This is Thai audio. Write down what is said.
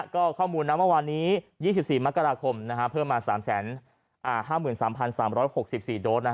ก็ข้อมูลนะเมื่อวานนี้๒๔มกราคมเพิ่มมา๓๕๓๓๖๔โดส